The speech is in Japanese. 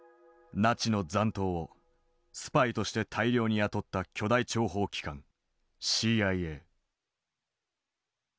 ナチの残党をスパイとして大量に雇った巨大諜報機関ＣＩＡ。